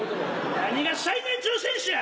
何が最年長選手や。